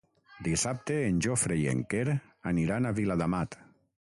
Dissabte en Jofre i en Quer aniran a Viladamat.